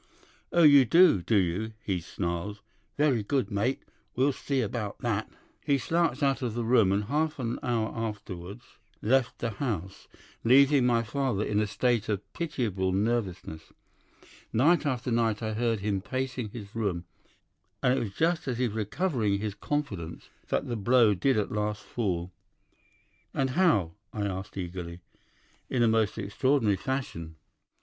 "'"Oh, you do, do you?" he snarls. "Very good, mate. We'll see about that!" He slouched out of the room, and half an hour afterwards left the house, leaving my father in a state of pitiable nervousness. Night after night I heard him pacing his room, and it was just as he was recovering his confidence that the blow did at last fall. "'And how?' I asked eagerly. "'In a most extraordinary fashion.